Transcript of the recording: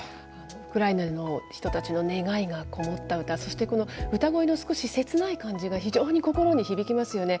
ウクライナの人たちの願いが込もった歌、そして、この歌声の少し切ない感じが非常に心に響きますよね。